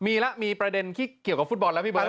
มีแล้วมีประเด็นที่เกี่ยวกับฟุตบอลแล้วพี่เบิร์